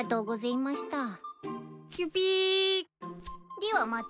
でぃはまた。